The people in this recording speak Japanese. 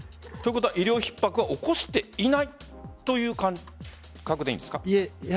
ということは医療ひっ迫は起こしていないという感覚でいいんですか？